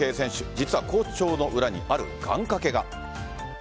実は好調の裏に、ある願掛けが。